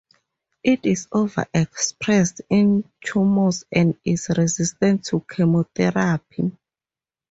It is over expressed in tumors and is resistant to chemotherapy.